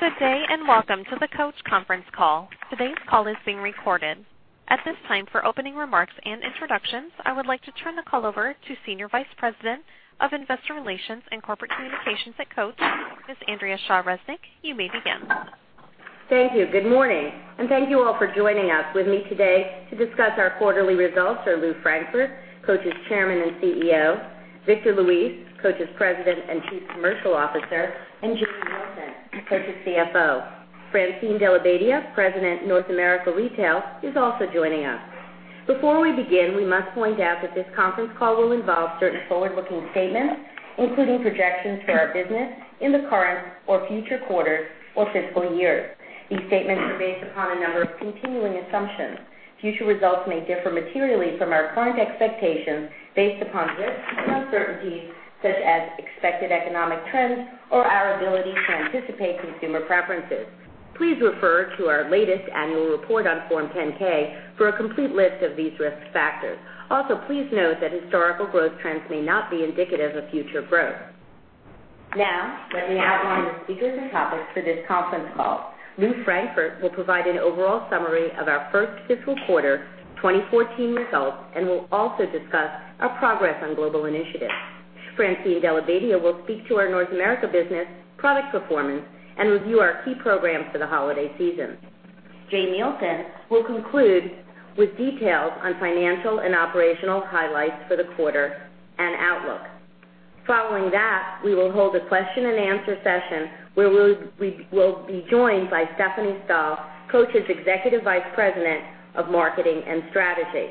Good day. Welcome to the Coach conference call. Today's call is being recorded. At this time, for opening remarks and introductions, I would like to turn the call over to Senior Vice President of Investor Relations and Corporate Communications at Coach, Ms. Andrea Shaw Resnick. You may begin. Thank you. Good morning. Thank you all for joining us. With me today to discuss our quarterly results are Lew Frankfort, Coach's Chairman and CEO; Victor Luis, Coach's President and Chief Commercial Officer; and Jane Nielsen, Coach's CFO. Francine Della Badia, President North America Retail, is also joining us. Before we begin, we must point out that this conference call will involve certain forward-looking statements, including projections for our business in the current or future quarters or fiscal years. These statements are based upon a number of continuing assumptions. Future results may differ materially from our current expectations based upon risks and uncertainties such as expected economic trends or our ability to anticipate consumer preferences. Please refer to our latest annual report on Form 10-K for a complete list of these risk factors. Also, please note that historical growth trends may not be indicative of future growth. Let me outline the speakers and topics for this conference call. Lew Frankfort will provide an overall summary of our first fiscal quarter 2014 results and will also discuss our progress on global initiatives. Francine Della Badia will speak to our North America business, product performance, and review our key programs for the holiday season. Jane Nielsen will conclude with details on financial and operational highlights for the quarter and outlook. Following that, we will hold a question-and-answer session where we will be joined by Stephanie Stahl, Coach's Executive Vice President of Marketing and Strategy.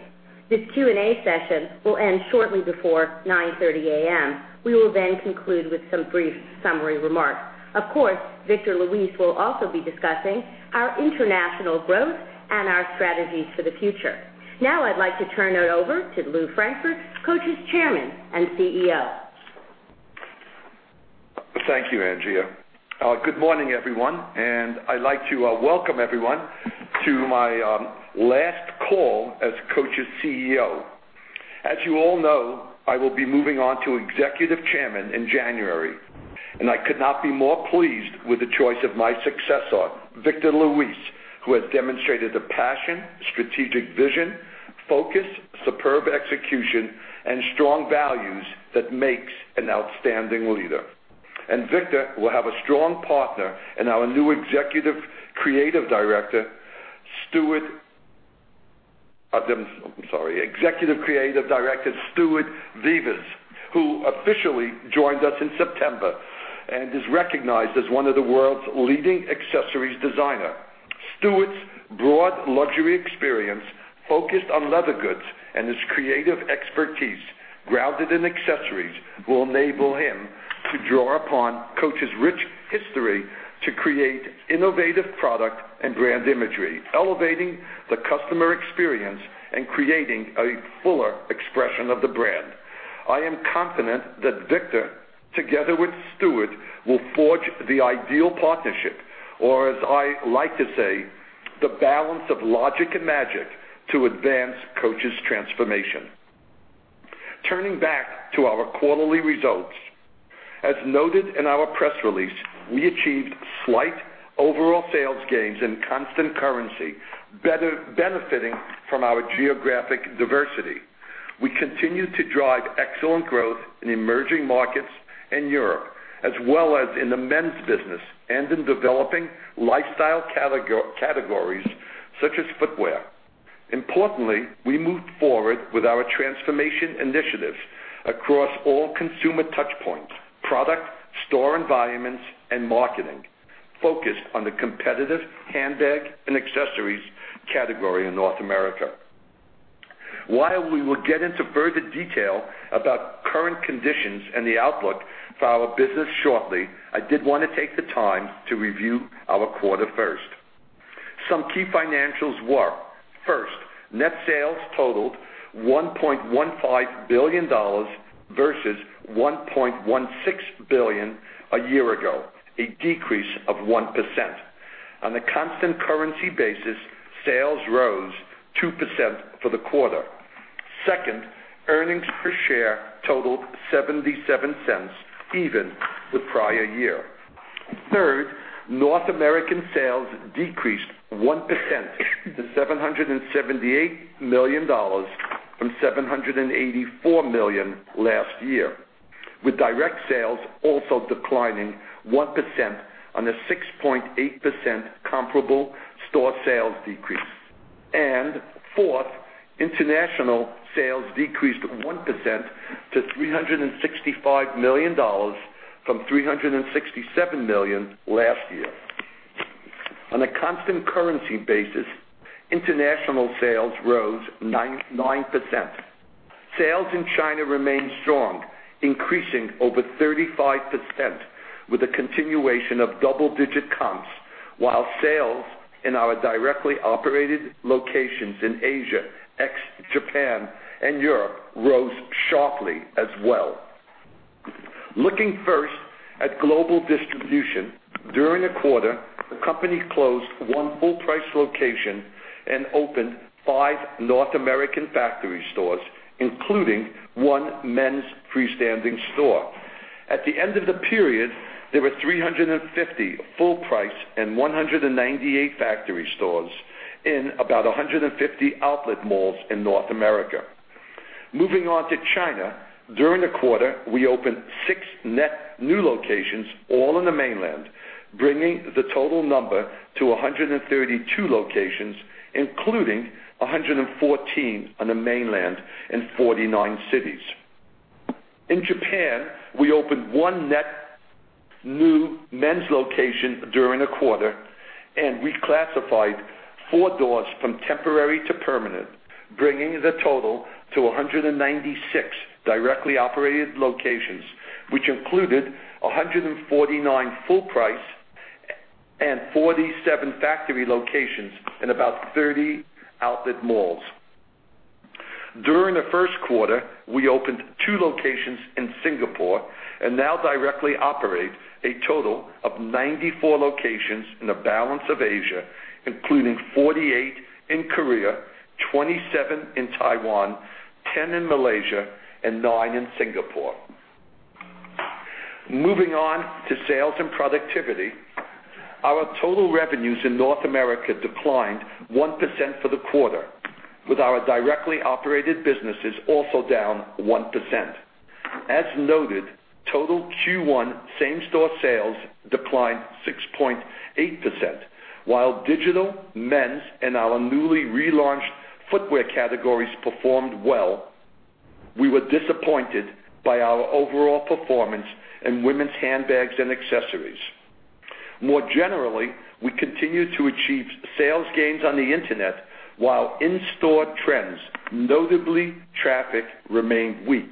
This Q&A session will end shortly before 9:30 A.M. We will conclude with some brief summary remarks. Of course, Victor Luis will also be discussing our international growth and our strategies for the future. I'd like to turn it over to Lew Frankfort, Coach's Chairman and CEO. Thank you, Andrea. Good morning, everyone. I'd like to welcome everyone to my last call as Coach's CEO. As you all know, I will be moving on to Executive Chairman in January. I could not be more pleased with the choice of my successor, Victor Luis, who has demonstrated the passion, strategic vision, focus, superb execution, and strong values that makes an outstanding leader. Victor will have a strong partner in our new Executive Creative Director, Stuart Vevers, who officially joined us in September and is recognized as one of the world's leading accessories designer. Stuart's broad luxury experience focused on leather goods, and his creative expertise grounded in accessories will enable him to draw upon Coach's rich history to create innovative product and brand imagery, elevating the customer experience and creating a fuller expression of the brand. I am confident that Victor, together with Stuart, will forge the ideal partnership, or as I like to say, the balance of logic and magic to advance Coach's transformation. Turning back to our quarterly results. As noted in our press release, we achieved slight overall sales gains in constant currency, benefiting from our geographic diversity. We continue to drive excellent growth in emerging markets in Europe, as well as in the men's business and in developing lifestyle categories such as footwear. Importantly, we moved forward with our transformation initiatives across all consumer touch points, product, store environments, and marketing focused on the competitive handbag and accessories category in North America. While we will get into further detail about current conditions and the outlook for our business shortly, I did want to take the time to review our quarter first. Some key financials were, first, net sales totaled $1.15 billion versus $1.16 billion a year ago, a decrease of 1%. On the constant currency basis, sales rose 2% for the quarter. Second, earnings per share totaled $0.77, even the prior year. Third, North American sales decreased 1% to $778 million from $784 million last year, with direct sales also declining 1% on a 6.8% comparable store sales decrease. Fourth, international sales decreased 1% to $365 million from $367 million last year. On a constant currency basis, international sales rose 9%. Sales in China remained strong, increasing over 35% with a continuation of double-digit comps, while sales in our directly operated locations in Asia, ex-Japan, and Europe rose sharply as well. Looking first at global distribution During the quarter, the company closed one full price location and opened five North American factory stores, including one men's freestanding store. At the end of the period, there were 350 full price and 198 factory stores in about 150 outlet malls in North America. Moving on to China. During the quarter, we opened six net new locations, all in the mainland, bringing the total number to 132 locations, including 114 on the mainland in 49 cities. In Japan, we opened one net new men's location during the quarter and reclassified four doors from temporary to permanent, bringing the total to 196 directly operated locations, which included 149 full price and 47 factory locations in about 30 outlet malls. During the first quarter, we opened two locations in Singapore and now directly operate a total of 94 locations in the balance of Asia, including 48 in Korea, 27 in Taiwan, 10 in Malaysia, and nine in Singapore. Moving on to sales and productivity. Our total revenues in North America declined 1% for the quarter, with our directly operated businesses also down 1%. As noted, total Q1 same-store sales declined 6.8%, while digital, men's, and our newly relaunched footwear categories performed well. We were disappointed by our overall performance in women's handbags and accessories. More generally, we continue to achieve sales gains on the internet while in-store trends, notably traffic, remained weak.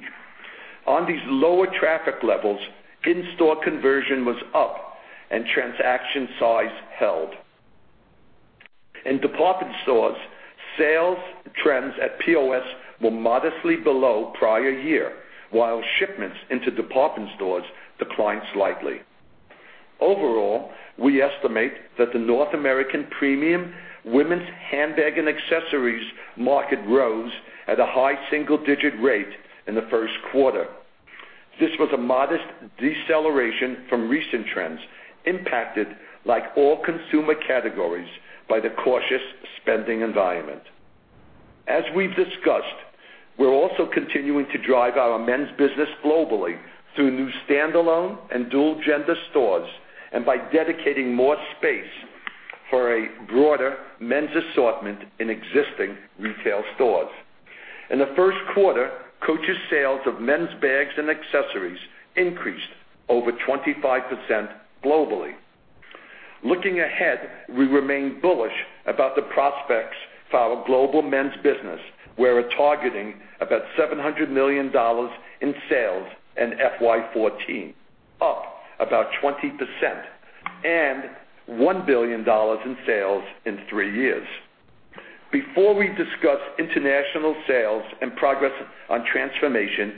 On these lower traffic levels, in-store conversion was up and transaction size held. In department stores, sales trends at POS were modestly below prior year, while shipments into department stores declined slightly. Overall, we estimate that the North American premium women's handbag and accessories market rose at a high single-digit rate in the first quarter. This was a modest deceleration from recent trends, impacted like all consumer categories by the cautious spending environment. As we've discussed, we're also continuing to drive our men's business globally through new standalone and dual-gender stores, and by dedicating more space for a broader men's assortment in existing retail stores. In the first quarter, Coach's sales of men's bags and accessories increased over 25% globally. Looking ahead, we remain bullish about the prospects for our global men's business. We're targeting about $700 million in sales in FY 2014, up about 20%, and $1 billion in sales in three years. Before we discuss international sales and progress on transformation,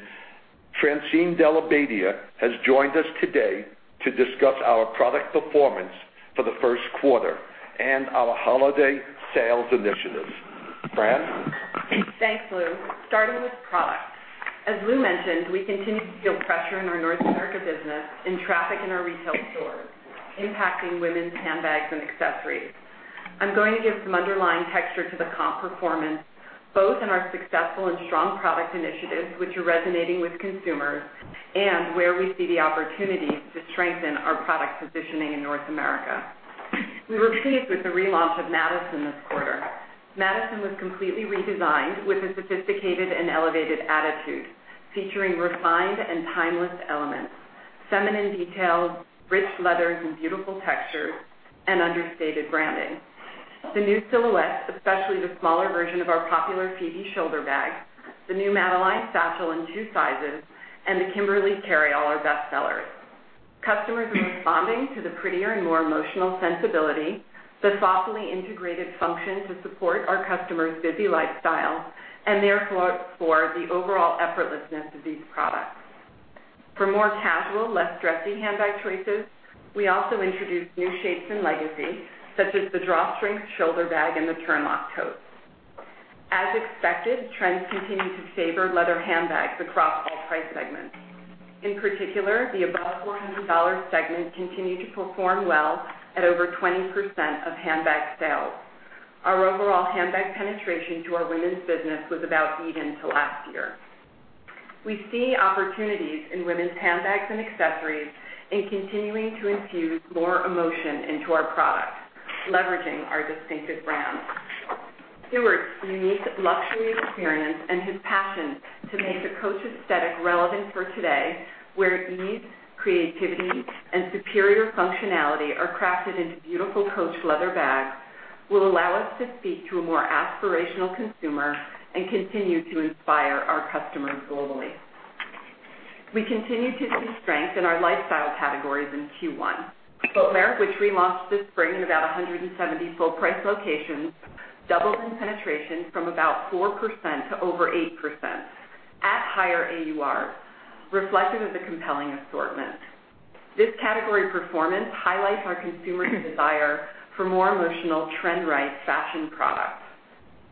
Francine Della Badia has joined us today to discuss our product performance for the first quarter and our holiday sales initiatives. Fran? Thanks, Lew. Starting with product. As Lew mentioned, we continue to feel pressure in our North America business in traffic in our retail stores, impacting women's handbags and accessories. I'm going to give some underlying texture to the comp performance, both in our successful and strong product initiatives, which are resonating with consumers, and where we see the opportunities to strengthen our product positioning in North America. We were pleased with the relaunch of Madison this quarter. Madison was completely redesigned with a sophisticated and elevated attitude, featuring refined and timeless elements, feminine details, rich leathers and beautiful textures, and understated branding. The new silhouettes, especially the smaller version of our popular Phoebe shoulder bag, the new Madeline satchel in two sizes, and the Kimberly carryall are best sellers. Customers are responding to the prettier and more emotional sensibility, the thoughtfully integrated function to support our customers' busy lifestyle, and therefore the overall effortlessness of these products. For more casual, less dressy handbag choices, we also introduced new shapes and Legacy, such as the drawstring shoulder bag and the turnlock tote. As expected, trends continue to favor leather handbags across all price segments. In particular, the above $100 segment continued to perform well at over 20% of handbag sales. Our overall handbag penetration to our women's business was about even to last year. We see opportunities in women's handbags and accessories in continuing to infuse more emotion into our product, leveraging our distinctive brand. Stuart's unique luxury experience and his passion to make the Coach aesthetic relevant for today, where ease, creativity, and superior functionality are crafted into beautiful Coach leather bags, will allow us to speak to a more aspirational consumer and continue to inspire our customers globally. We continue to see strength in our lifestyle categories in Q1. Footwear, which we launched this spring in about 170 full price locations, doubled in penetration from about 4% to over 8%. higher AURs, reflective of the compelling assortment. This category performance highlights our consumers' desire for more emotional trend-right fashion products.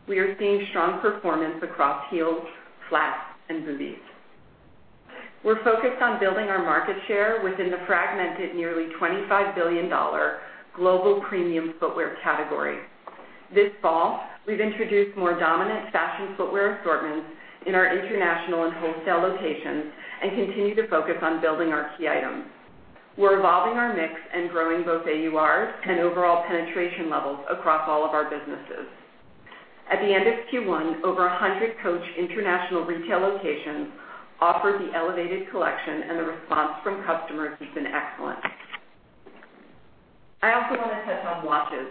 We are seeing strong performance across heels, flats, and booties. We're focused on building our market share within the fragmented, nearly $25 billion global premium footwear category. This fall, we've introduced more dominant fashion footwear assortments in our international and wholesale locations and continue to focus on building our key items. We're evolving our mix and growing both AURs and overall penetration levels across all of our businesses. At the end of Q1, over 100 Coach international retail locations offered the elevated collection, and the response from customers has been excellent. I also want to touch on watches.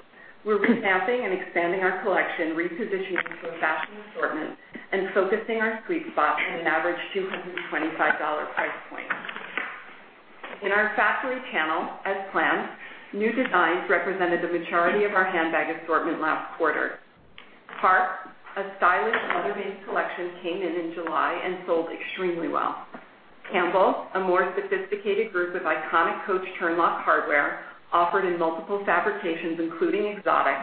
We're revamping and expanding our collection, repositioning to a fashion assortment, and focusing our sweet spot on an average $225 price point. In our Factory channel, as planned, new designs represented the majority of our handbag assortment last quarter. Park, a stylish leather-based collection, came in in July and sold extremely well. Campbell, a more sophisticated group of iconic Coach turnlock hardware, offered in multiple fabrications, including exotic,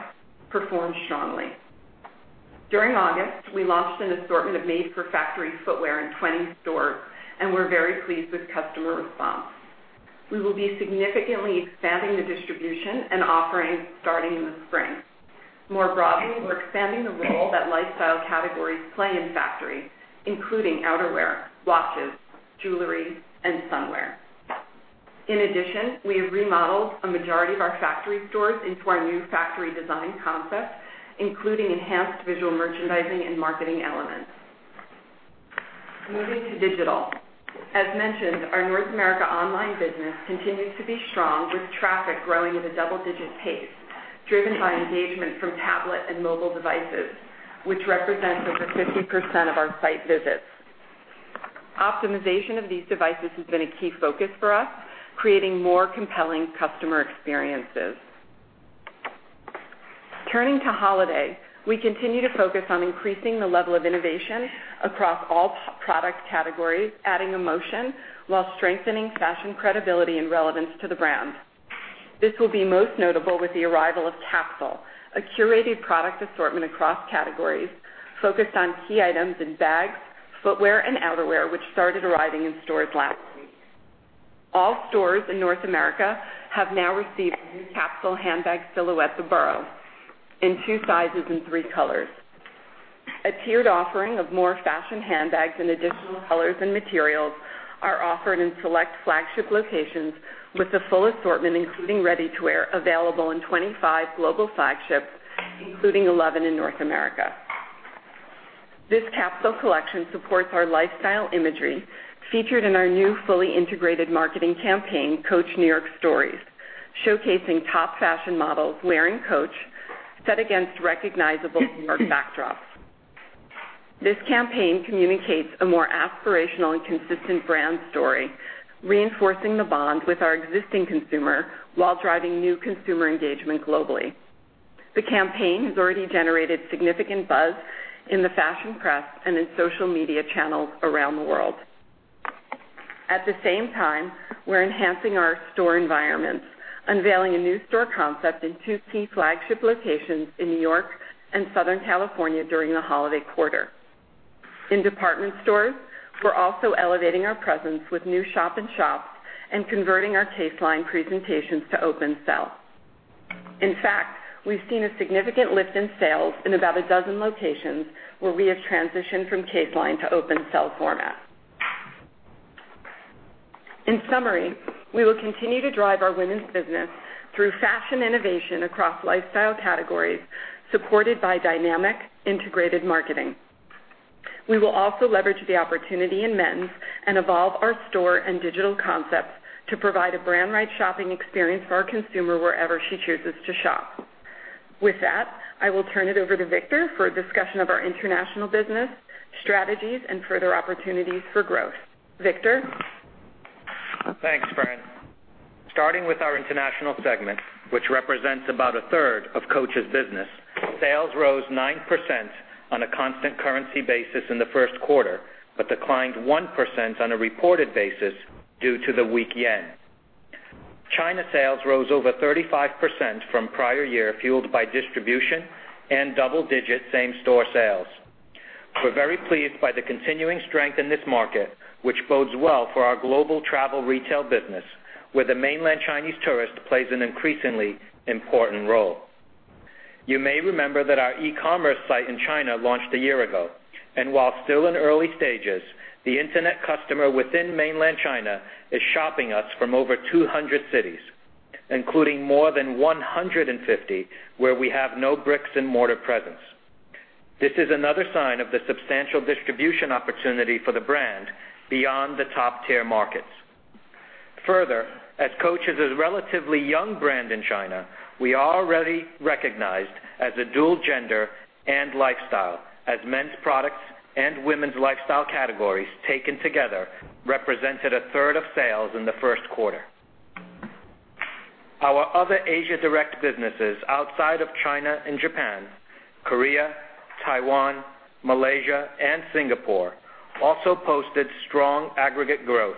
performed strongly. During August, we launched an assortment of made-for-Factory footwear in 20 stores, and we're very pleased with customer response. We will be significantly expanding the distribution and offering starting in the spring. More broadly, we're expanding the role that lifestyle categories play in Factory, including outerwear, watches, jewelry, and swimwear. In addition, we have remodeled a majority of our Factory stores into our new Factory design concept, including enhanced visual merchandising and marketing elements. Moving to digital. As mentioned, our North America online business continues to be strong, with traffic growing at a double-digit pace, driven by engagement from tablet and mobile devices, which represent over 50% of our site visits. Optimization of these devices has been a key focus for us, creating more compelling customer experiences. Turning to holiday, we continue to focus on increasing the level of innovation across all product categories, adding emotion while strengthening fashion credibility and relevance to the brand. This will be most notable with the arrival of Capsule, a curated product assortment across categories focused on key items in bags, footwear, and outerwear, which started arriving in stores last week. All stores in North America have now received the new Capsule handbag silhouette, The Borough, in two sizes and three colors. A tiered offering of more fashion handbags in additional colors and materials are offered in select flagship locations, with the full assortment, including ready-to-wear, available in 25 global flagships, including 11 in North America. This Capsule collection supports our lifestyle imagery featured in our new fully integrated marketing campaign, Coach New York Stories, showcasing top fashion models wearing Coach set against recognizable New York backdrops. This campaign communicates a more aspirational and consistent brand story, reinforcing the bond with our existing consumer while driving new consumer engagement globally. The campaign has already generated significant buzz in the fashion press and in social media channels around the world. At the same time, we're enhancing our store environments, unveiling a new store concept in two key flagship locations in New York and Southern California during the holiday quarter. In department stores, we're also elevating our presence with new shop-in-shops and converting our case line presentations to open sell. In fact, we've seen a significant lift in sales in about a dozen locations where we have transitioned from case line to open sell format. In summary, we will continue to drive our women's business through fashion innovation across lifestyle categories, supported by dynamic, integrated marketing. We will also leverage the opportunity in men's and evolve our store and digital concepts to provide a brand-right shopping experience for our consumer wherever she chooses to shop. With that, I will turn it over to Victor for a discussion of our international business, strategies, and further opportunities for growth. Victor? Thanks, Fran. Starting with our international segment, which represents about a third of Coach's business, sales rose 9% on a constant currency basis in the first quarter, but declined 1% on a reported basis due to the weak yen. China sales rose over 35% from prior year, fueled by distribution and double-digit same-store sales. We are very pleased by the continuing strength in this market, which bodes well for our global travel retail business, where the mainland Chinese tourist plays an increasingly important role. You may remember that our e-commerce site in China launched a year ago, and while still in early stages, the internet customer within mainland China is shopping us from over 200 cities, including more than 150 where we have no bricks-and-mortar presence. This is another sign of the substantial distribution opportunity for the brand beyond the top-tier markets. Further, as Coach is a relatively young brand in China, we are already recognized as a dual gender and lifestyle, as men's products and women's lifestyle categories taken together represented a third of sales in the first quarter. Our other Asia direct businesses outside of China and Japan, Korea, Taiwan, Malaysia, and Singapore also posted strong aggregate growth,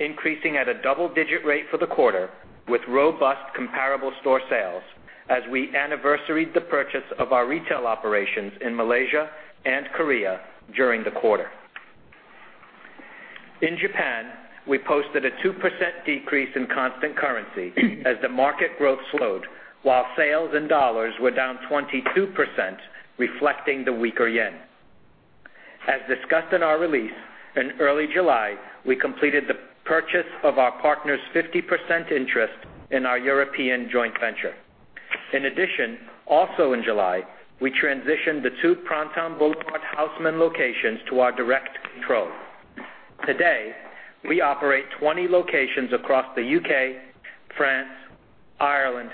increasing at a double-digit rate for the quarter with robust comparable store sales as we anniversaried the purchase of our retail operations in Malaysia and Korea during the quarter. In Japan, we posted a 2% decrease in constant currency as the market growth slowed, while sales in USD were down 22%, reflecting the weaker yen. As discussed in our release, in early July, we completed the purchase of our partner's 50% interest in our European joint venture. In addition, also in July, we transitioned the two Printemps Boulevard Haussmann locations to our direct control. Today, we operate 20 locations across the U.K., France, Ireland,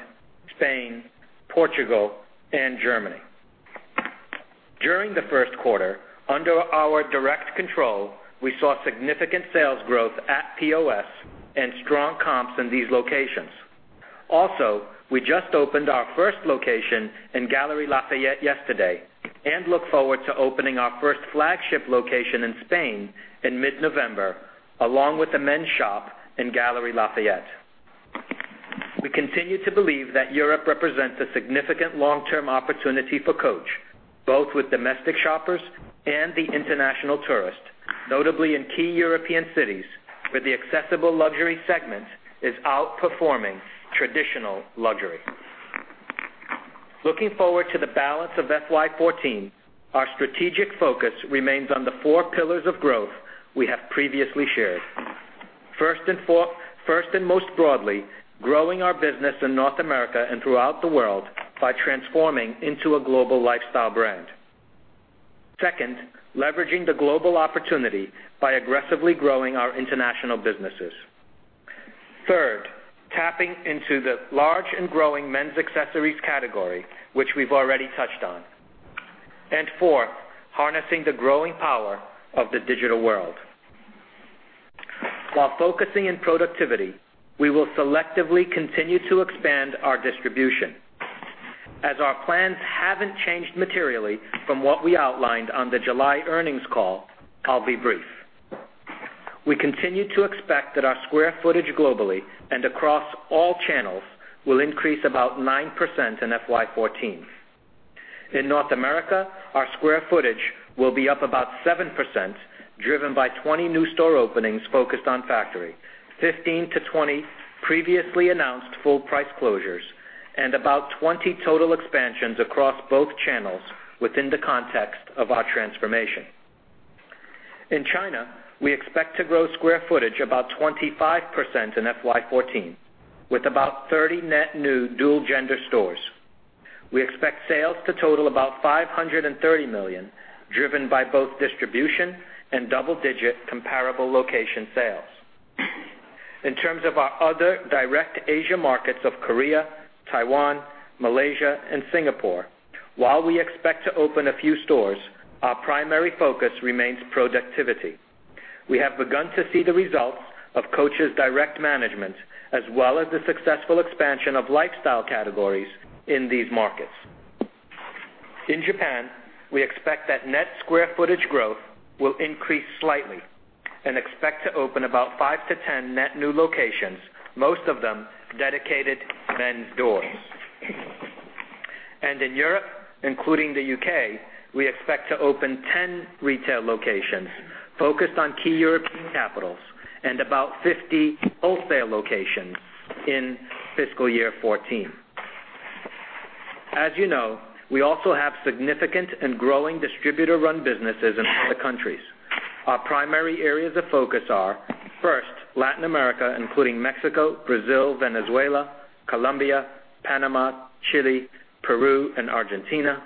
Spain, Portugal, and Germany. During the first quarter, under our direct control, we saw significant sales growth at POS and strong comps in these locations. Also, we just opened our first location in Galeries Lafayette yesterday and look forward to opening our first flagship location in Spain in mid-November, along with the men's shop in Galeries Lafayette. We continue to believe that Europe represents a significant long-term opportunity for Coach, both with domestic shoppers and the international tourist, notably in key European cities where the accessible luxury segment is outperforming traditional luxury. Looking forward to the balance of FY 2014, our strategic focus remains on the four pillars of growth we have previously shared. First and most broadly, growing our business in North America and throughout the world by transforming into a global lifestyle brand. Second, leveraging the global opportunity by aggressively growing our international businesses. Third, tapping into the large and growing men's accessories category, which we've already touched on. Fourth, harnessing the growing power of the digital world. While focusing in productivity, we will selectively continue to expand our distribution. As our plans haven't changed materially from what we outlined on the July earnings call, I'll be brief. We continue to expect that our square footage globally and across all channels will increase about 9% in FY 2014. In North America, our square footage will be up about 7%, driven by 20 new store openings focused on factory, 15-20 previously announced full price closures, and about 20 total expansions across both channels within the context of our transformation. In China, we expect to grow square footage about 25% in FY 2014, with about 30 net new dual-gender stores. We expect sales to total about $530 million, driven by both distribution and double-digit comparable location sales. In terms of our other direct Asia markets of Korea, Taiwan, Malaysia, and Singapore, while we expect to open a few stores, our primary focus remains productivity. We have begun to see the results of Coach's direct management, as well as the successful expansion of lifestyle categories in these markets. In Japan, we expect that net square footage growth will increase slightly and expect to open about 5-10 net new locations, most of them dedicated men's doors. In Europe, including the U.K., we expect to open 10 retail locations focused on key European capitals and about 50 wholesale locations in FY 2014. As you know, we also have significant and growing distributor-run businesses in other countries. Our primary areas of focus are, first, Latin America, including Mexico, Brazil, Venezuela, Colombia, Panama, Chile, Peru, and Argentina.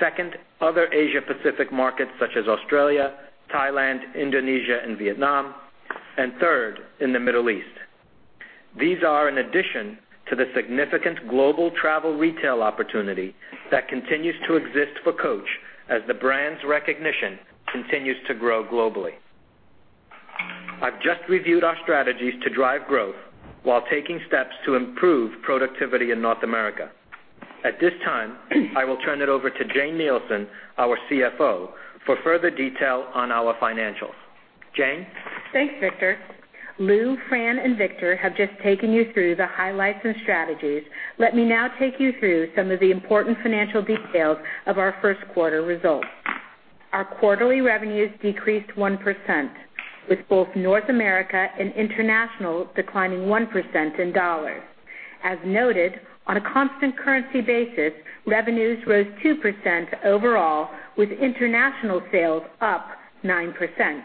Second, other Asia Pacific markets such as Australia, Thailand, Indonesia, and Vietnam. Third, in the Middle East. These are in addition to the significant global travel retail opportunity that continues to exist for Coach as the brand's recognition continues to grow globally. I've just reviewed our strategies to drive growth while taking steps to improve productivity in North America. At this time, I will turn it over to Jane Nielsen, our CFO, for further detail on our financials. Jane? Thanks, Victor. Lew, Fran, and Victor have just taken you through the highlights and strategies. Let me now take you through some of the important financial details of our first quarter results. Our quarterly revenues decreased 1%, with both North America and international declining 1% in USD. As noted, on a constant currency basis, revenues rose 2% overall, with international sales up 9%.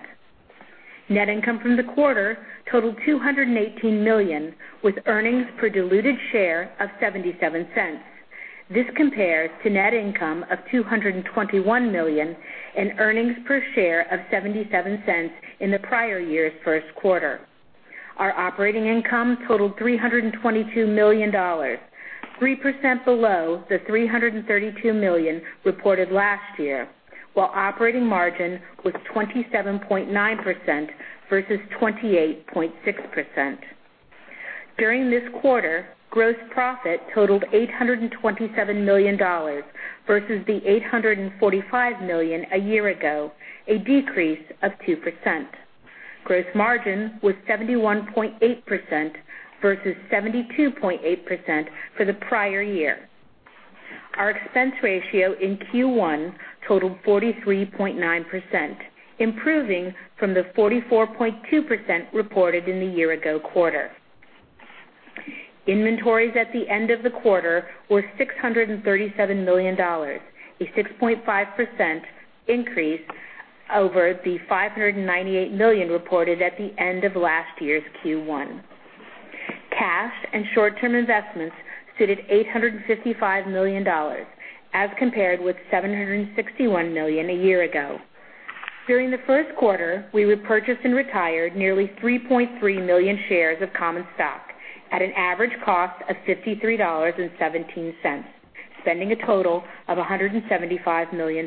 Net income from the quarter totaled $218 million, with earnings per diluted share of $0.77. This compares to net income of $221 million and earnings per share of $0.77 in the prior year's first quarter. Our operating income totaled $322 million. 3% below the $332 million reported last year, while operating margin was 27.9% versus 28.6%. During this quarter, gross profit totaled $827 million versus the $845 million a year ago, a decrease of 2%. Gross margin was 71.8% versus 72.8% for the prior year. Our expense ratio in Q1 totaled 43.9%, improving from the 44.2% reported in the year-ago quarter. Inventories at the end of the quarter were $637 million, a 6.5% increase over the $598 million reported at the end of last year's Q1. Cash and short-term investments totaled $855 million, as compared with $761 million a year ago. During the first quarter, we repurchased and retired nearly 3.3 million shares of common stock at an average cost of $53.17, spending a total of $175 million.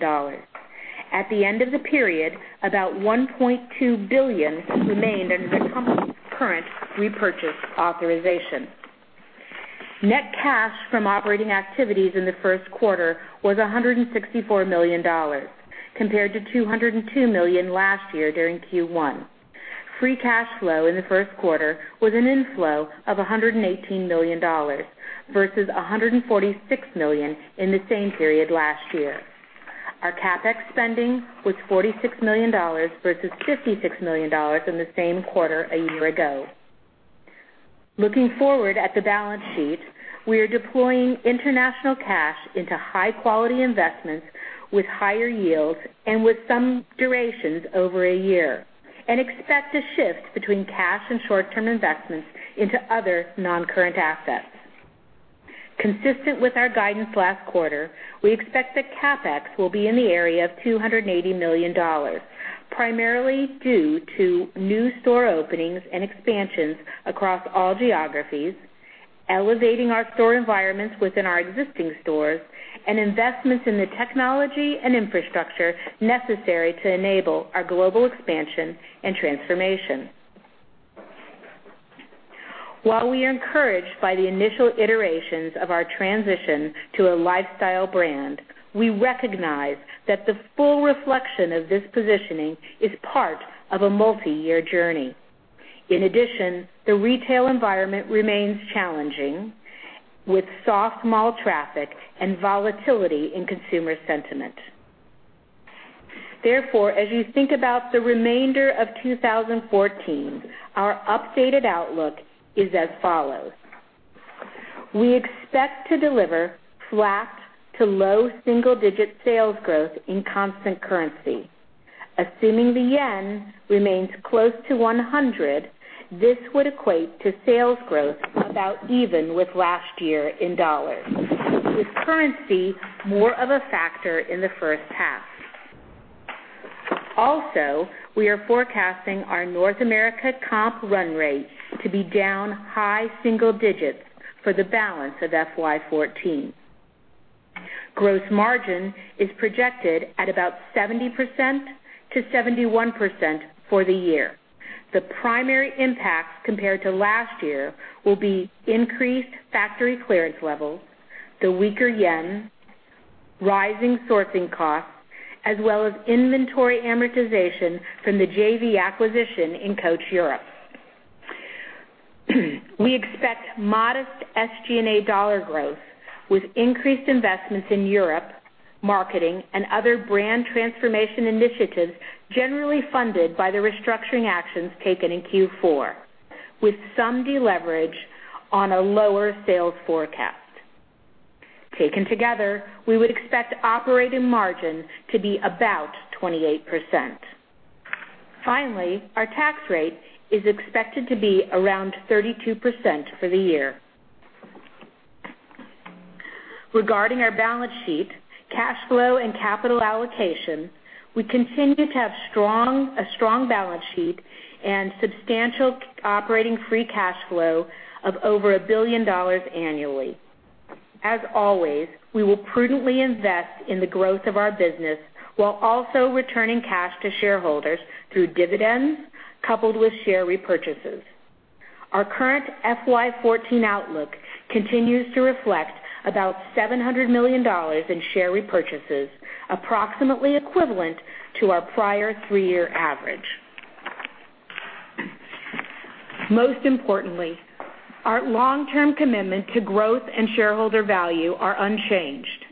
At the end of the period, about $1.2 billion remained under the company's current repurchase authorization. Net cash from operating activities in the first quarter was $164 million, compared to $202 million last year during Q1. Free cash flow in the first quarter was an inflow of $118 million versus $146 million in the same period last year. Our CapEx spending was $46 million versus $56 million in the same quarter a year ago. Looking forward at the balance sheet, we are deploying international cash into high-quality investments with higher yields and with some durations over a year, and expect a shift between cash and short-term investments into other non-current assets. Consistent with our guidance last quarter, we expect that CapEx will be in the area of $280 million, primarily due to new store openings and expansions across all geographies, elevating our store environments within our existing stores, and investments in the technology and infrastructure necessary to enable our global expansion and transformation. While we are encouraged by the initial iterations of our transition to a lifestyle brand, we recognize that the full reflection of this positioning is part of a multi-year journey. In addition, the retail environment remains challenging, with soft mall traffic and volatility in consumer sentiment. Therefore, as you think about the remainder of 2014, our updated outlook is as follows. We expect to deliver flat to low single-digit sales growth in constant currency. Assuming the yen remains close to 100, this would equate to sales growth about even with last year in dollars, with currency more of a factor in the first half. Also, we are forecasting our North America comp run rate to be down high single digits for the balance of FY14. Gross margin is projected at about 70%-71% for the year. The primary impacts compared to last year will be increased factory clearance levels, the weaker yen, rising sourcing costs, as well as inventory amortization from the JV acquisition in Coach Europe. We expect modest SG&A dollar growth with increased investments in Europe, marketing, and other brand transformation initiatives generally funded by the restructuring actions taken in Q4, with some deleverage on a lower sales forecast. Taken together, we would expect operating margin to be about 28%. Finally, our tax rate is expected to be around 32% for the year. Regarding our balance sheet, cash flow, and capital allocation, we continue to have a strong balance sheet and substantial operating free cash flow of over $1 billion annually. As always, we will prudently invest in the growth of our business while also returning cash to shareholders through dividends coupled with share repurchases. Our current FY14 outlook continues to reflect about $700 million in share repurchases, approximately equivalent to our prior three-year average. Most importantly, our long-term commitment to growth and shareholder value are unchanged.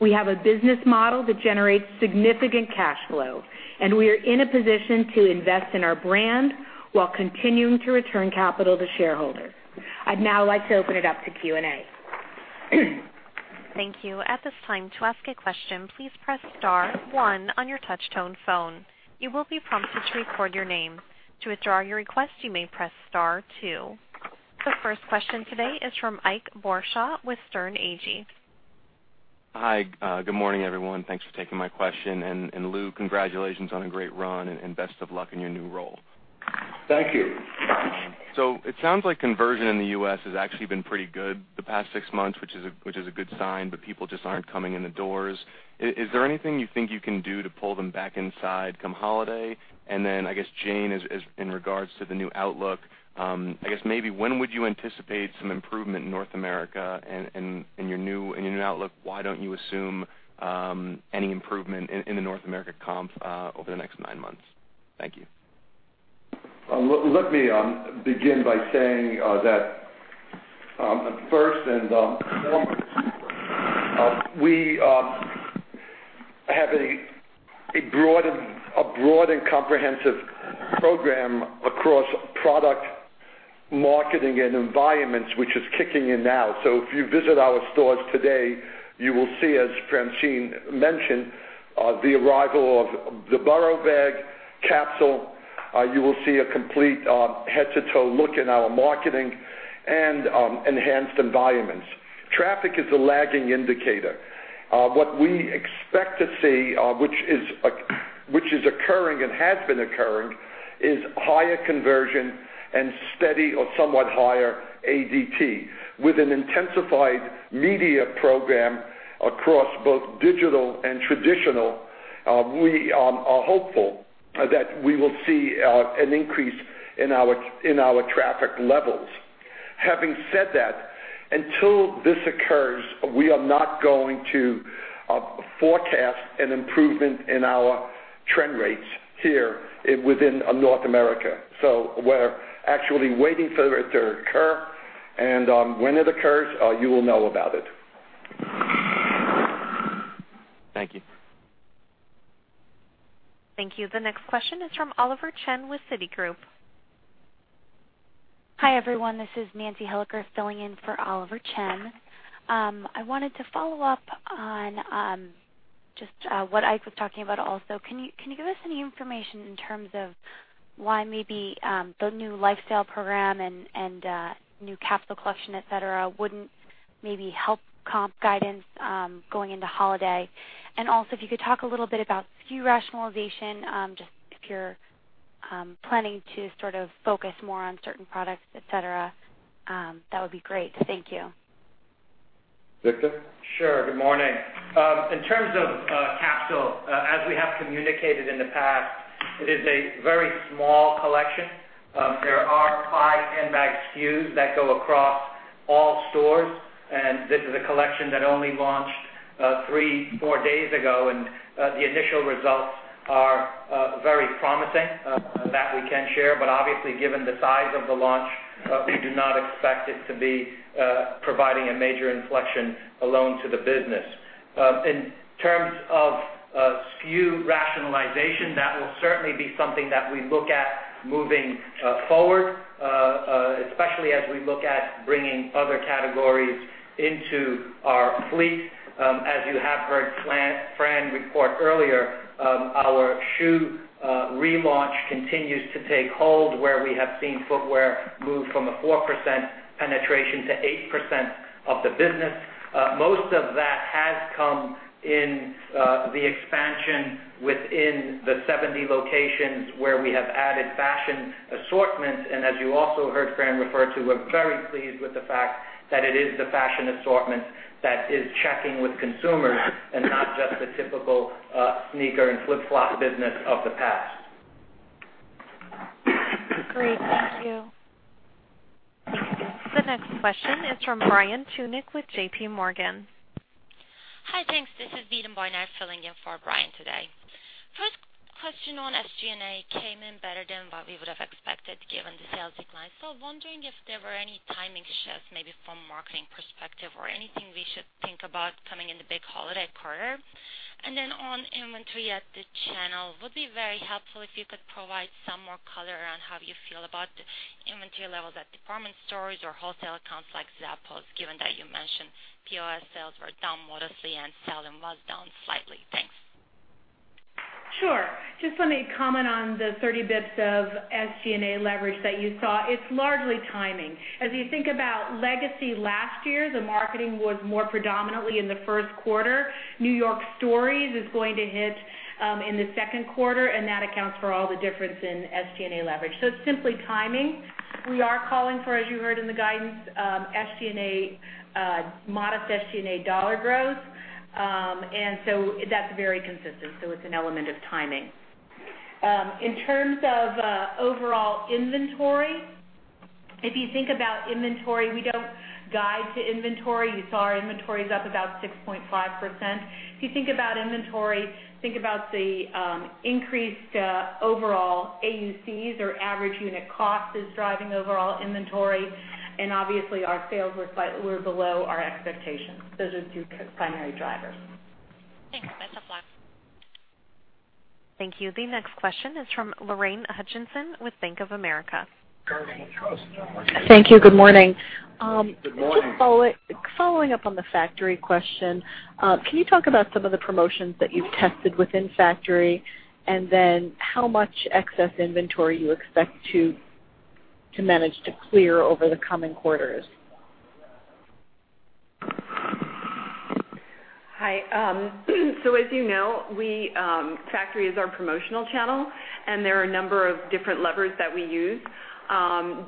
We have a business model that generates significant cash flow, and we are in a position to invest in our brand while continuing to return capital to shareholders. I'd now like to open it up to Q&A. Thank you. At this time, to ask a question, please press star one on your touch-tone phone. You will be prompted to record your name. To withdraw your request, you may press star two. The first question today is from Irwin Boruchow with Sterne Agee. Hi. Good morning, everyone. Thanks for taking my question. Lew, congratulations on a great run and best of luck in your new role. Thank you. It sounds like conversion in the U.S. has actually been pretty good the past six months, which is a good sign, but people just aren't coming in the doors. Is there anything you think you can do to pull them back inside come holiday? I guess Jane, in regards to the new outlook, I guess maybe when would you anticipate some improvement in North America and in your new outlook, why don't you assume any improvement in the North America comp over the next nine months? Thank you. Let me begin by saying that first and foremost, we have a broad and comprehensive program across product marketing and environments, which is kicking in now. If you visit our stores today, you will see, as Francine mentioned, the arrival of the Borough bag capsule. You will see a complete head-to-toe look in our marketing and enhanced environments. Traffic is a lagging indicator. What we expect to see, which is occurring and has been occurring, is higher conversion and steady or somewhat higher ADT. With an intensified media program across both digital and traditional, we are hopeful that we will see an increase in our traffic levels. Having said that, until this occurs, we are not going to forecast an improvement in our trend rates here within North America. We're actually waiting for it to occur, and when it occurs, you will know about it. Thank you. Thank you. The next question is from Oliver Chen with Citigroup. Hi, everyone. This is Nancy Hellicher filling in for Oliver Chen. I wanted to follow up on just what Ike was talking about also. Can you give us any information in terms of why maybe the new lifestyle program and new Capsule collection, et cetera, wouldn't maybe help comp guidance going into holiday? Also, if you could talk a little bit about SKU rationalization, just if you're planning to sort of focus more on certain products, et cetera, that would be great. Thank you. Victor? Sure. Good morning. In terms of Capsule, as we have communicated in the past, it is a very small collection. There are five handbag SKUs that go across all stores, and this is a collection that only launched three, four days ago, and the initial results are very promising. That we can share. Obviously, given the size of the launch, we do not expect it to be providing a major inflection alone to the business. In terms of SKU rationalization, that will certainly be something that we look at moving forward, especially as we look at bringing other categories into our fleet. As you have heard Fran report earlier, our shoe relaunch continues to take hold, where we have seen footwear move from a 4% penetration to 8% of the business. Most of that has come in the expansion within the 70 locations where we have added fashion assortments. As you also heard Fran refer to, we're very pleased with the fact that it is the fashion assortments that is checking with consumers and not just the typical sneaker and flip-flop business of the past. Great. Thank you. The next question is from Brian Tunick with J.P. Morgan. Hi. Thanks. This is Viden Boyner filling in for Brian today. First question on SG&A came in better than what we would have expected given the sales decline. Still wondering if there were any timing shifts, maybe from marketing perspective or anything we should think about coming in the big holiday quarter. On inventory at the channel, would be very helpful if you could provide some more color around how you feel about the inventory levels at department stores or wholesale accounts like Zappos, given that you mentioned POS sales were down modestly and selling was down slightly. Thanks. Sure. Just let me comment on the 30 basis points of SG&A leverage that you saw. It's largely timing. As you think about Legacy last year, the marketing was more predominantly in the first quarter. New York Stories is going to hit in the second quarter, that accounts for all the difference in SG&A leverage. It's simply timing. We are calling for, as you heard in the guidance, modest SG&A dollar growth. That's very consistent. It's an element of timing. In terms of overall inventory, if you think about inventory, we don't guide to inventory. You saw our inventory is up about 6.5%. If you think about inventory, think about the increased overall AUCs or average unit cost is driving overall inventory. Obviously, our sales were below our expectations. Those are the two primary drivers. Thanks. Best of luck. Thank you. The next question is from Lorraine Hutchinson with Bank of America. Guidance Trust. Thank you. Good morning. Good morning. Just following up on the Factory question. Can you talk about some of the promotions that you've tested within Factory, and how much excess inventory you expect to To manage to clear over the coming quarters. Hi. As you know, Factory is our promotional channel, and there are a number of different levers that we use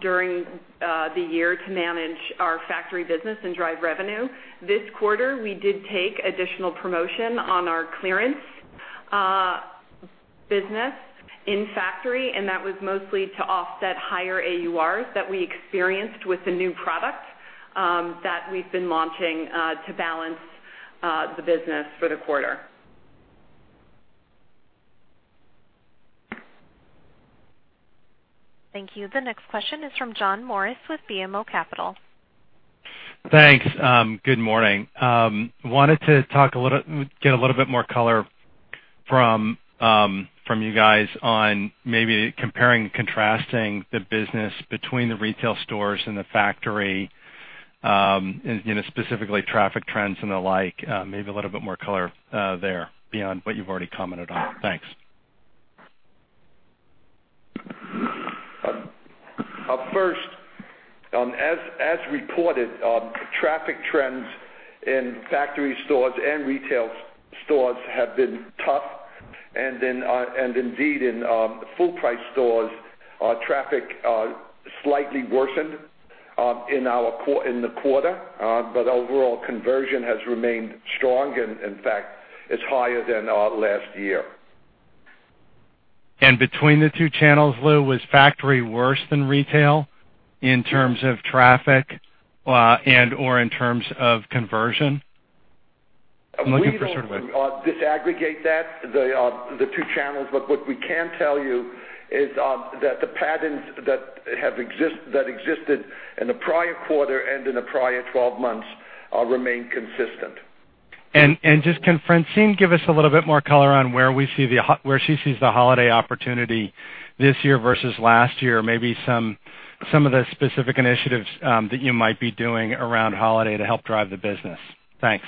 during the year to manage our Factory business and drive revenue. This quarter, we did take additional promotion on our clearance business in Factory, and that was mostly to offset higher AURs that we experienced with the new product that we've been launching to balance the business for the quarter. Thank you. The next question is from John Morris with BMO Capital. Thanks. Good morning. Wanted to get a little bit more color from you guys on maybe comparing, contrasting the business between the retail stores and the Factory, specifically traffic trends and the like. Maybe a little bit more color there beyond what you've already commented on. Thanks. First, as reported, traffic trends in Factory stores and retail stores have been tough. Indeed, in full price stores, our traffic slightly worsened in the quarter. Overall conversion has remained strong, and in fact, is higher than last year. Between the two channels, Lew, was Factory worse than retail in terms of traffic or in terms of conversion? I'm looking for sort of a- We don't disaggregate that, the two channels. What we can tell you is that the patterns that existed in the prior quarter and in the prior 12 months remain consistent. Can Francine give us a little bit more color on where she sees the holiday opportunity this year versus last year? Some of the specific initiatives that you might be doing around holiday to help drive the business. Thanks.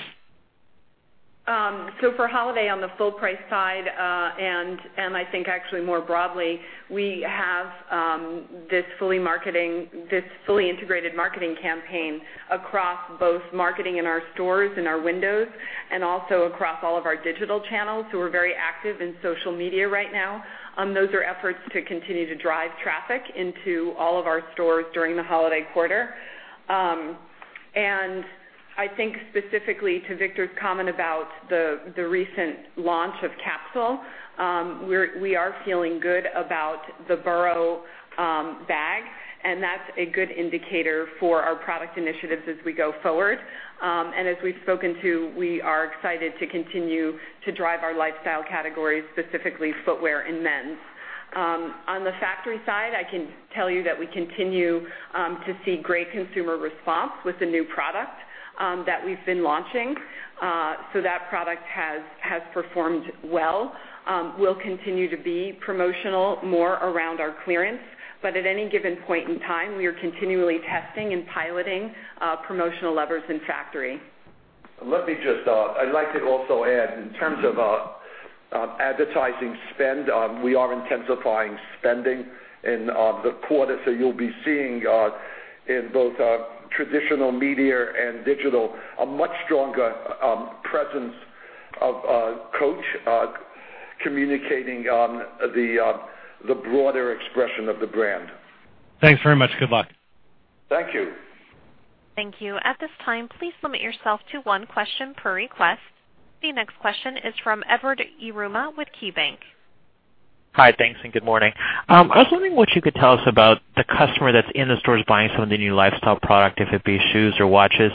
For holiday, on the full price side, I think actually more broadly, we have this fully integrated marketing campaign across both marketing in our stores and our windows and also across all of our digital channels, who are very active in social media right now. Those are efforts to continue to drive traffic into all of our stores during the holiday quarter. I think specifically to Victor's comment about the recent launch of Capsule, we are feeling good about the Borough bag, and that's a good indicator for our product initiatives as we go forward. As we've spoken to, we are excited to continue to drive our lifestyle categories, specifically footwear and men's. On the Factory side, I can tell you that we continue to see great consumer response with the new product that we've been launching. That product has performed well. We'll continue to be promotional more around our clearance, at any given point in time, we are continually testing and piloting promotional levers in Factory. Let me I'd like to also add, in terms of advertising spend, we are intensifying spending in the quarter. You'll be seeing, in both traditional media and digital, a much stronger presence of Coach communicating the broader expression of the brand. Thanks very much. Good luck. Thank you. Thank you. At this time, please limit yourself to one question per request. The next question is from Edward Yruma with KeyBanc. Hi, thanks and good morning. I was wondering what you could tell us about the customer that's in the stores buying some of the new lifestyle product, if it be shoes or watches.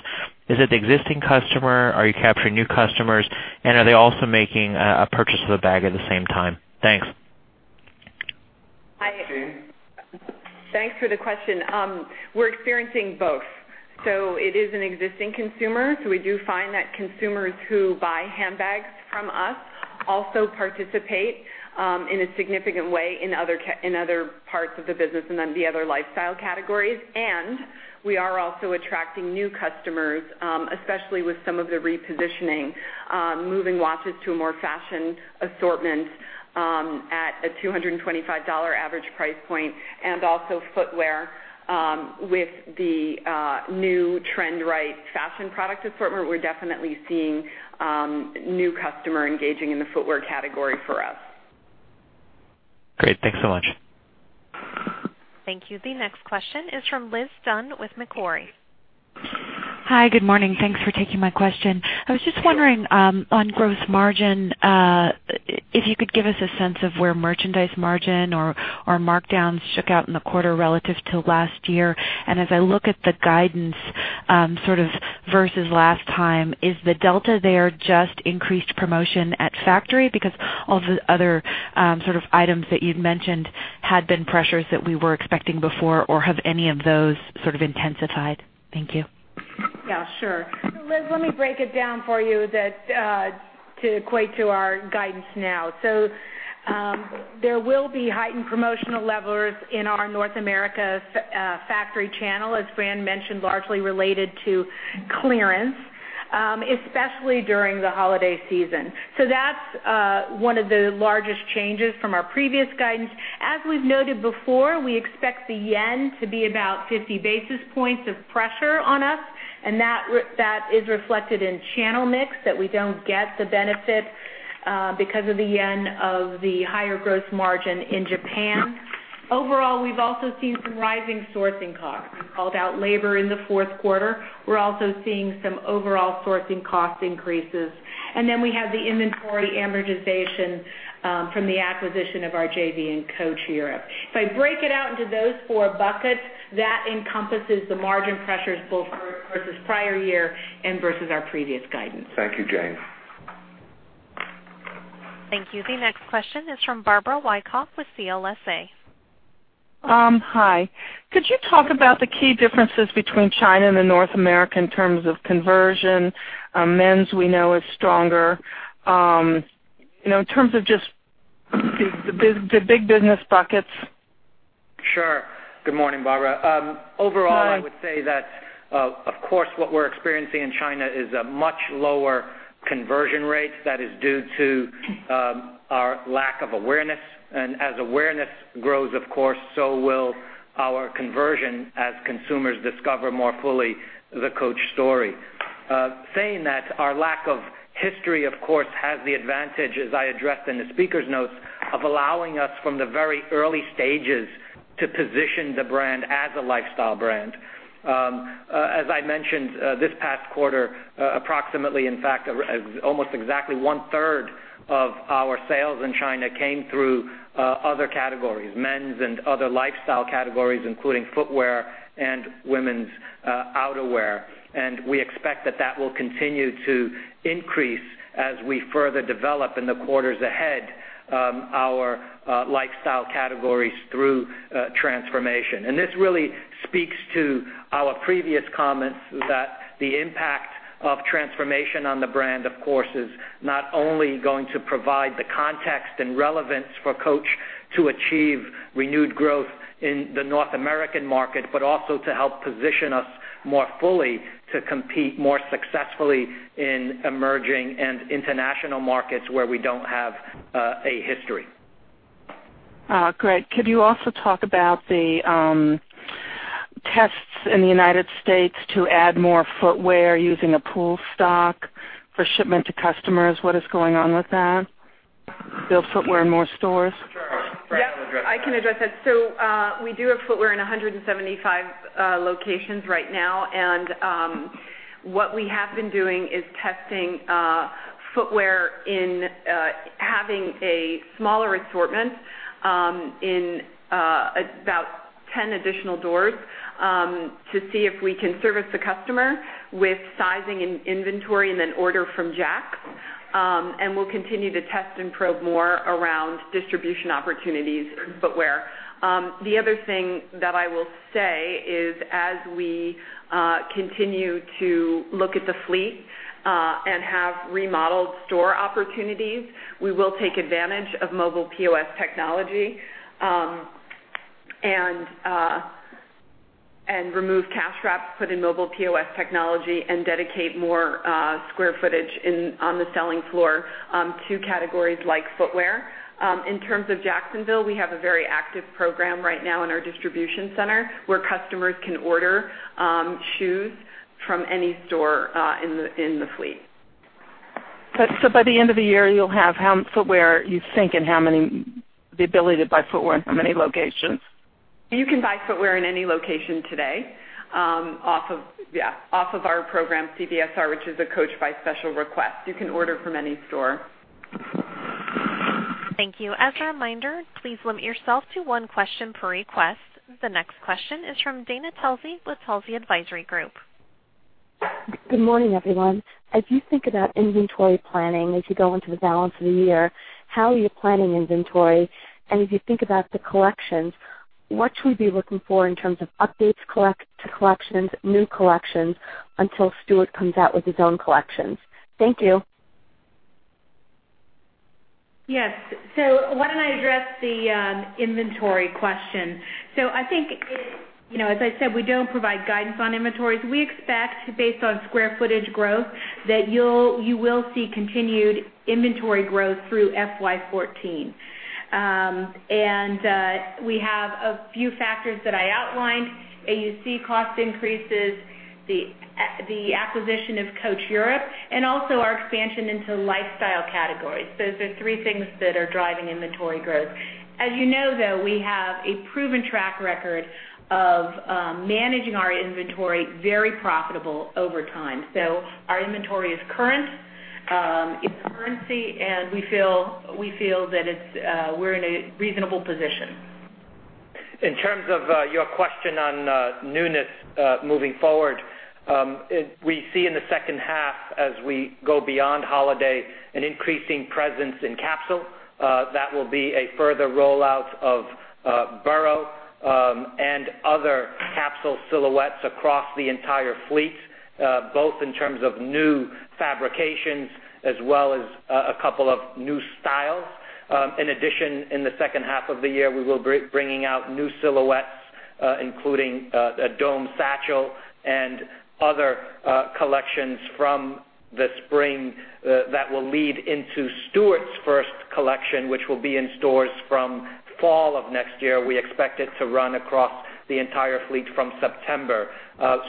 Is it the existing customer? Are you capturing new customers? Are they also making a purchase of a bag at the same time? Thanks. Hi. Francine. Thanks for the question. We're experiencing both. It is an existing consumer. We do find that consumers who buy handbags from us also participate in a significant way in other parts of the business and then the other lifestyle categories. We are also attracting new customers, especially with some of the repositioning, moving watches to a more fashion assortment at a $225 average price point, and also footwear with the new trend right fashion product assortment. We're definitely seeing new customer engaging in the footwear category for us. Great. Thanks so much. Thank you. The next question is from Liz Dunn with Macquarie. Hi, good morning. Thanks for taking my question. I was just wondering, on gross margin, if you could give us a sense of where merchandise margin or markdowns shook out in the quarter relative to last year. As I look at the guidance sort of versus last time, is the delta there just increased promotion at Factory? Because all of the other sort of items that you'd mentioned had been pressures that we were expecting before, or have any of those sort of intensified? Thank you. Yeah, sure. Liz, let me break it down for you to equate to our guidance now. There will be heightened promotional levers in our North America Factory channel, as Fran mentioned, largely related to clearance. Especially during the holiday season. That's one of the largest changes from our previous guidance. As we've noted before, we expect the yen to be about 50 basis points of pressure on us, and that is reflected in channel mix, that we don't get the benefit because of the yen of the higher gross margin in Japan. Overall, we've also seen some rising sourcing costs. We called out labor in the fourth quarter. We're also seeing some overall sourcing cost increases. We have the inventory amortization from the acquisition of our JV in Coach Europe. If I break it out into those four buckets, that encompasses the margin pressures both versus prior year and versus our previous guidance. Thank you, Jane. Thank you. The next question is from Barbara Wyckoff with CLSA. Hi. Could you talk about the key differences between China and North America in terms of conversion? Men's we know is stronger. In terms of just the big business buckets. Sure. Good morning, Barbara. Hi. Overall, I would say that, of course, what we're experiencing in China is a much lower conversion rate that is due to our lack of awareness. As awareness grows, of course, so will our conversion as consumers discover more fully the Coach story. Saying that, our lack of history, of course, has the advantage, as I addressed in the speaker's notes, of allowing us from the very early stages to position the brand as a lifestyle brand. As I mentioned, this past quarter, approximately, in fact, almost exactly one-third of our sales in China came through other categories, men's and other lifestyle categories, including footwear and women's outerwear. We expect that that will continue to increase as we further develop in the quarters ahead our lifestyle categories through transformation. This really speaks to our previous comments that the impact of transformation on the brand, of course, is not only going to provide the context and relevance for Coach to achieve renewed growth in the North American market, but also to help position us more fully to compete more successfully in emerging and international markets where we don't have a history. Great. Could you also talk about the tests in the U.S. to add more footwear using a pool stock for shipment to customers? What is going on with that? Build footwear in more stores? Sure. Fran will address that. Yes, I can address that. We do have footwear in 175 locations right now, what we have been doing is testing footwear in having a smaller assortment in about 10 additional doors to see if we can service the customer with sizing and inventory and then order from Jax. We'll continue to test and probe more around distribution opportunities footwear. The other thing that I will say is as we continue to look at the fleet and have remodeled store opportunities, we will take advantage of mobile POS technology and remove cash wraps, put in mobile POS technology, and dedicate more square footage on the selling floor to categories like footwear. In terms of Jacksonville, we have a very active program right now in our distribution center where customers can order shoes from any store in the fleet. By the end of the year, you'll have how much footwear, you think, and the ability to buy footwear in how many locations? You can buy footwear in any location today off of our program, CVSR, which is a Coach by Special Request. You can order from any store. Thank you. As a reminder, please limit yourself to one question per request. The next question is from Dana Telsey with Telsey Advisory Group. Good morning, everyone. As you think about inventory planning as you go into the balance of the year, how are you planning inventory? As you think about the collections, what should we be looking for in terms of updates to collections, new collections until Stuart comes out with his own collections? Thank you. Yes. Why don't I address the inventory question? I think, as I said, we don't provide guidance on inventories. We expect based on square footage growth that you will see continued inventory growth through FY 2014. We have a few factors that I outlined. AUC cost increases, the acquisition of Coach Europe, and also our expansion into lifestyle categories. Those are three things that are driving inventory growth. As you know, though, we have a proven track record of managing our inventory very profitable over time. Our inventory is current, it's current, and we feel that we're in a reasonable position. In terms of your question on newness moving forward, we see in the second half as we go beyond holiday, an increasing presence in Capsule. That will be a further rollout of Borough and other Capsule silhouettes across the entire fleet, both in terms of new fabrications as well as a couple of new styles. In addition, in the second half of the year, we will be bringing out new silhouettes Including a dome satchel and other collections from the spring that will lead into Stuart's first collection, which will be in stores from fall of next year. We expect it to run across the entire fleet from September.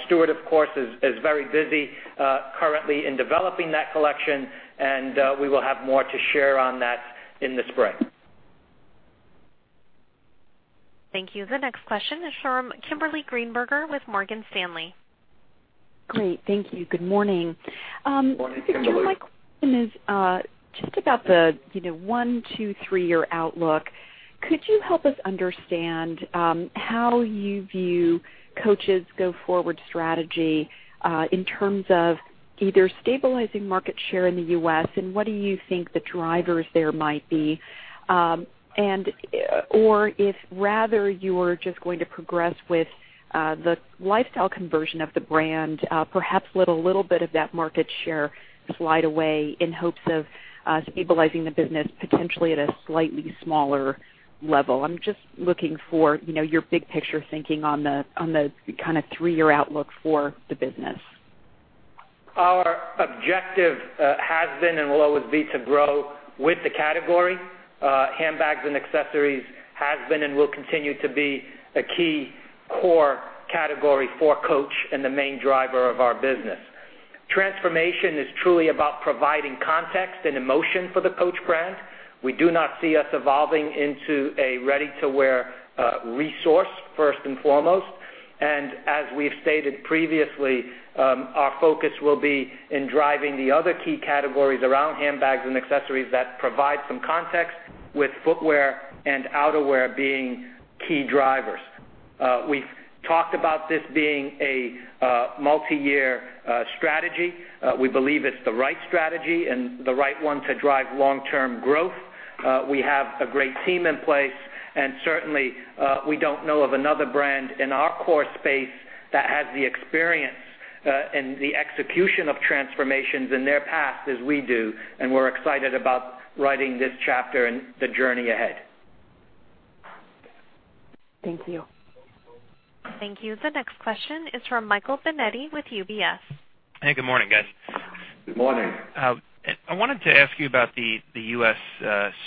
Stuart, of course, is very busy currently in developing that collection, and we will have more to share on that in the spring. Thank you. The next question is from Kimberly Greenberger with Morgan Stanley. Great. Thank you. Good morning. Morning, Kimberly. My question is just about the 1, 2, 3-year outlook. Could you help us understand how you view Coach's go-forward strategy, in terms of either stabilizing market share in the U.S. and what do you think the drivers there might be? Or if rather you are just going to progress with the lifestyle conversion of the brand, perhaps let a little bit of that market share slide away in hopes of stabilizing the business potentially at a slightly smaller level. I'm just looking for your big picture thinking on the kind of 3-year outlook for the business. Our objective has been and will always be to grow with the category. Handbags and accessories has been and will continue to be a key core category for Coach and the main driver of our business. Transformation is truly about providing context and emotion for the Coach brand. We do not see us evolving into a ready-to-wear resource first and foremost. As we've stated previously, our focus will be in driving the other key categories around handbags and accessories that provide some context with footwear and outerwear being key drivers. We've talked about this being a multi-year strategy. We believe it's the right strategy and the right one to drive long-term growth. We have a great team in place, and certainly, we don't know of another brand in our core space that has the experience and the execution of transformations in their past as we do. We're excited about writing this chapter and the journey ahead. Thank you. Thank you. The next question is from Michael Binetti with UBS. Hey, good morning, guys. Good morning. I wanted to ask you about the U.S.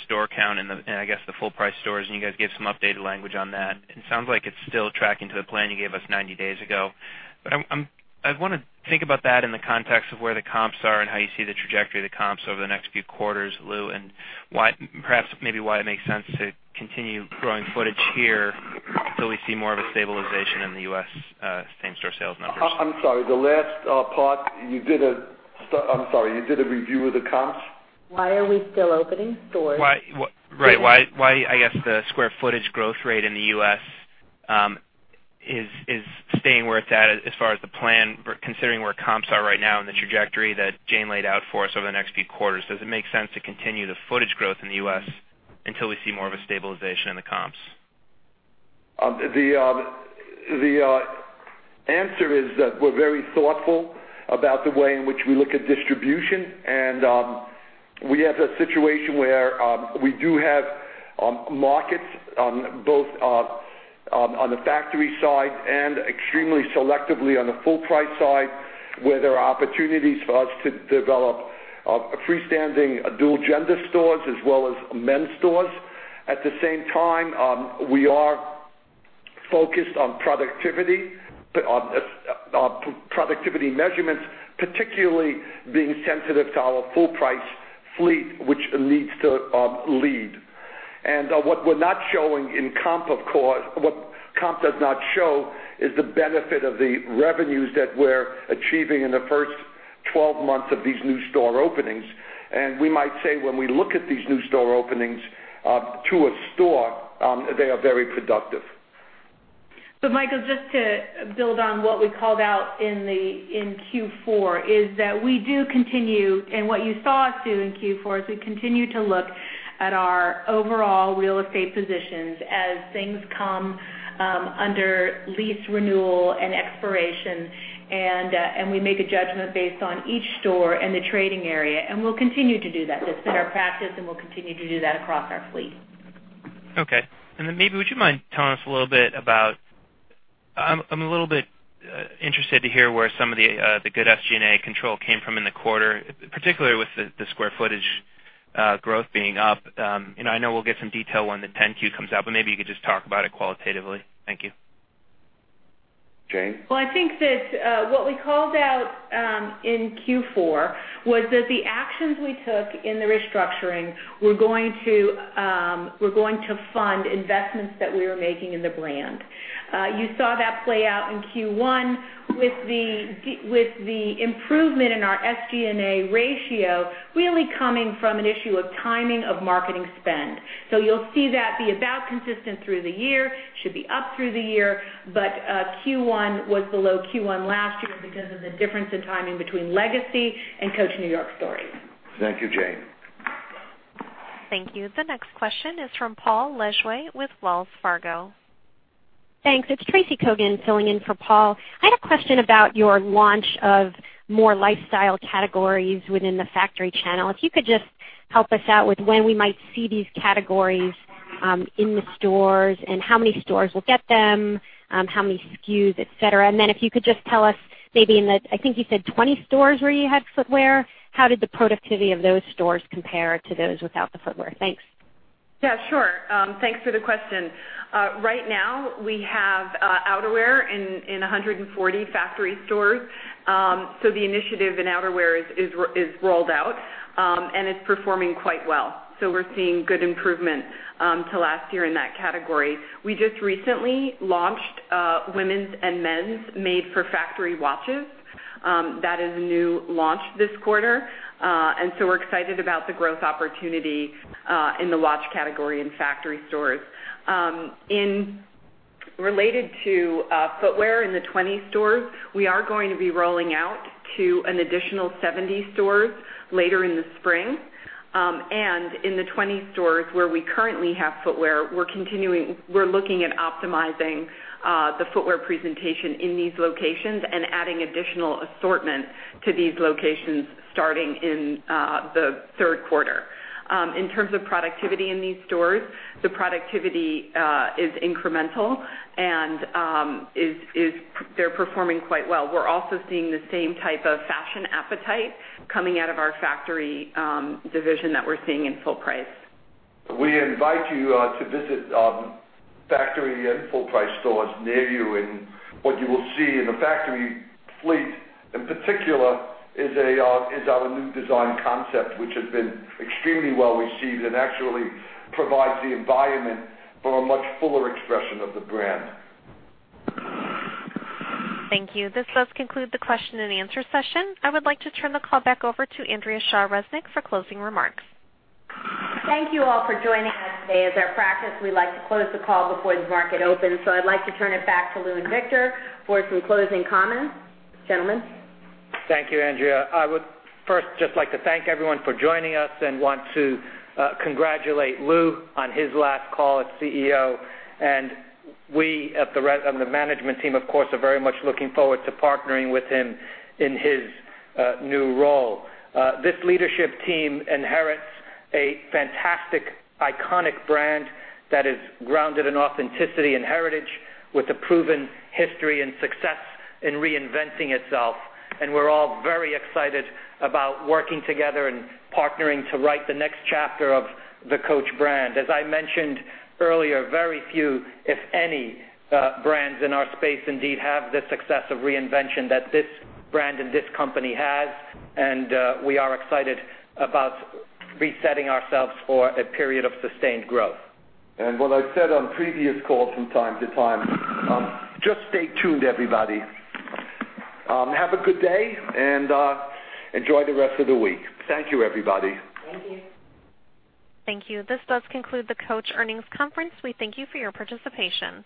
store count and I guess the full-price stores, and you guys gave some updated language on that. It sounds like it's still tracking to the plan you gave us 90 days ago. I want to think about that in the context of where the comps are and how you see the trajectory of the comps over the next few quarters, Lew, and perhaps maybe why it makes sense to continue growing footage here until we see more of a stabilization in the U.S. same-store sales numbers. I'm sorry, the last part. You did a review of the comps? Why are we still opening stores? Right. Why, I guess, the square footage growth rate in the U.S. is staying where it's at as far as the plan, considering where comps are right now and the trajectory that Jane laid out for us over the next few quarters. Does it make sense to continue the footage growth in the U.S. until we see more of a stabilization in the comps? The answer is that we're very thoughtful about the way in which we look at distribution. We have a situation where we do have markets both on the factory side and extremely selectively on the full-price side, where there are opportunities for us to develop freestanding dual-gender stores as well as men's stores. At the same time, we are focused on productivity measurements, particularly being sensitive to our full-price fleet, which needs to lead. What we're not showing in comp, of course, what comp does not show is the benefit of the revenues that we're achieving in the first 12 months of these new store openings. We might say when we look at these new store openings to a store, they are very productive. Michael, just to build on what we called out in Q4, is that we do continue. What you saw us do in Q4 is we continue to look at our overall real estate positions as things come under lease renewal and expiration. We make a judgment based on each store and the trading area, and we'll continue to do that. That's been our practice, and we'll continue to do that across our fleet. Maybe would you mind telling us a little bit about. I'm a little bit interested to hear where some of the good SG&A control came from in the quarter, particularly with the square footage growth being up. I know we'll get some detail when the 10-Q comes out, but maybe you could just talk about it qualitatively. Thank you. Jane? I think that what we called out in Q4 was that the actions we took in the restructuring were going to fund investments that we were making in the brand. You saw that play out in Q1 with the improvement in our SG&A ratio really coming from an issue of timing of marketing spend. You'll see that be about consistent through the year, should be up through the year. Q1 was below Q1 last year because of the difference in timing between Legacy and Coach New York Stories. Thank you, Jane. Thank you. The next question is from Paul Lejuez with Wells Fargo. Thanks. It's Tracy Kogan filling in for Paul. I had a question about your launch of more lifestyle categories within the factory channel. If you could just help us out with when we might see these categories in the stores, and how many stores will get them, how many SKUs, et cetera? Then if you could just tell us maybe in the, I think you said 20 stores where you had footwear, how did the productivity of those stores compare to those without the footwear? Thanks. Yeah, sure. Thanks for the question. Right now, we have outerwear in 140 factory stores. The initiative in outerwear is rolled out, and it's performing quite well. We're seeing good improvement to last year in that category. We just recently launched women's and men's Made for Factory watches. That is a new launch this quarter. We're excited about the growth opportunity in the watch category in factory stores. Related to footwear in the 20 stores, we are going to be rolling out to an additional 70 stores later in the spring. In the 20 stores where we currently have footwear, we're looking at optimizing the footwear presentation in these locations and adding additional assortment to these locations starting in the third quarter. In terms of productivity in these stores, the productivity is incremental and they're performing quite well. We're also seeing the same type of fashion appetite coming out of our factory division that we're seeing in full price. We invite you to visit factory and full price stores near you. What you will see in the factory fleet, in particular, is our new design concept, which has been extremely well received and actually provides the environment for a much fuller expression of the brand. Thank you. This does conclude the question and answer session. I would like to turn the call back over to Andrea Shaw Resnick for closing remarks. Thank you all for joining us today. As our practice, we like to close the call before the market opens, so I'd like to turn it back to Lew and Victor for some closing comments. Gentlemen? Thank you, Andrea. I would first just like to thank everyone for joining us and want to congratulate Lew on his last call as CEO. We at the management team, of course, are very much looking forward to partnering with him in his new role. This leadership team inherits a fantastic, iconic brand that is grounded in authenticity and heritage with a proven history and success in reinventing itself. We're all very excited about working together and partnering to write the next chapter of the Coach brand. As I mentioned earlier, very few, if any, brands in our space indeed have the success of reinvention that this brand and this company has. We are excited about resetting ourselves for a period of sustained growth. What I've said on previous calls from time to time, just stay tuned, everybody. Have a good day, and enjoy the rest of the week. Thank you, everybody. Thank you. Thank you. This does conclude the Coach earnings conference. We thank you for your participation.